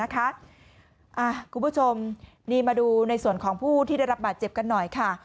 คุณผู้ชมนี่มาดูในส่วนของผู้ที่ได้รับบาดเจ็บกันหน่อยค่ะ